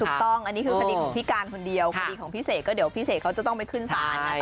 ถูกต้องอันนี้คือคดีของพี่การคนเดียวคดีของพี่เสกก็เดี๋ยวพี่เสกเขาจะต้องไปขึ้นศาล